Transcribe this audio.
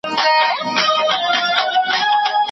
كه مو نه سړېږي زړه په انسانانو